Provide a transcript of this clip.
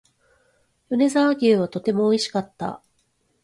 米沢牛はとても美味しかった